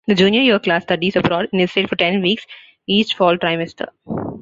The Junior year class studies abroad in Israel for ten weeks each fall trimester.